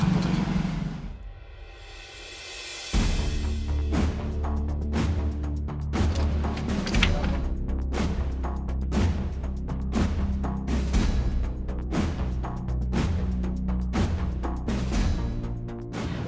kita lewat jendela belakang